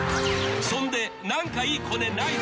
［そんで何かいい］